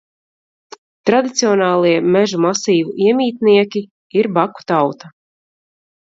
Tradicionālie mežu masīvu iemītnieki ir baku tauta.